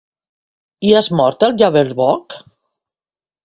I has mort el Jabberwock?